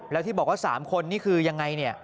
แล้วที่บอกว่า๓คนนี่คือยังไงเนี่ย